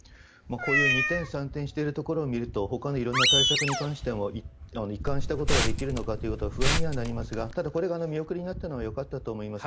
こういう二転三転しているところを見るとほかの色んな対策についても一貫したことができるのかと不安にはなりますがただ、これが見送りになったのはよかったと思います。